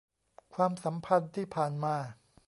ความสัมพันธ์ที่ผ่านมา